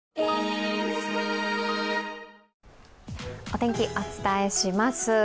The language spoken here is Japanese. お天気、お伝えします。